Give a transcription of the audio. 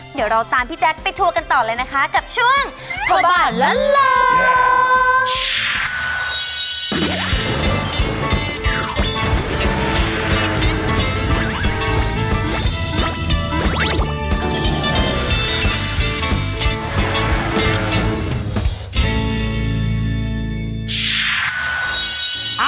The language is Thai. เดี๋ยวเราตามพี่แจ๊คไปทัวร์กันต่อเลยนะคะกับช่วงทั่วบ้านละโลก